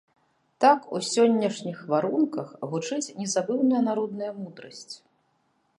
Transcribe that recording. Так у сённяшніх варунках гучыць незабыўная народная мудрасць.